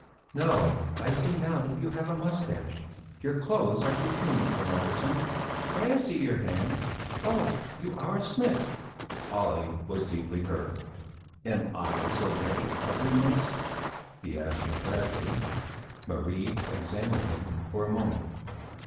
"No, I see now that you have a moustache; your clothes are too clean for an artisan may I see your hand oh! you are a smith!" Olle was deeply hurt. "Am I so very ugly, miss?" he asked pathetically. Marie examined him for a moment.